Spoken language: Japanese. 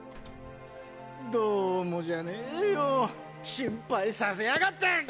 どうもじゃねぇよ心配させやがって！